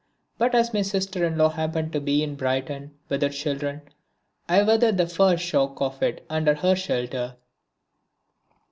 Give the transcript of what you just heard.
But as my sister in law happened to be in Brighton with her children I weathered the first shock of it under her shelter.